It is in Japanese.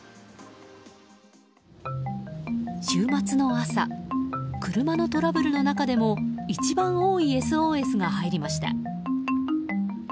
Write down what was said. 週末の朝、車のトラブルの中でも一番多いＳＯＳが入りました。